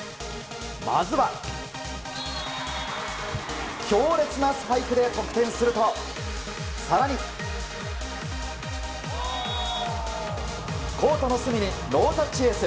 まずは、強烈なスパイクで得点すると更に、コートの隅にノータッチエース！